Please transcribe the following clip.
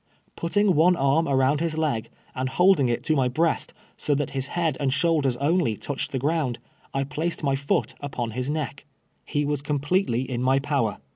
Putting one arm around his leg, and holding it to my breast, so that his head and shoulders only touched the ground, I placed my foot upon his neck. lie was completely in my power.